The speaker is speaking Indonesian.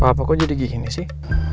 papa kok jadi gini sih